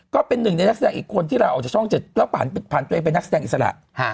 ก็เป็นหนึ่งในนักแสดงอีกคนที่ลาออกจากช่อง๗แล้วผ่านตัวเองเป็นนักแสดงอิสระ